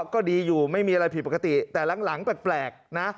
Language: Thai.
ก็ดีอยู่ไม่มีอะไรผิดปกติแต่หลังแปลกนะ